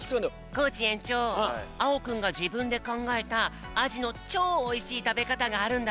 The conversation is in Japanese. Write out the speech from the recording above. コージえんちょうあおくんがじぶんでかんがえたアジのチョおいしいたべかたがあるんだって。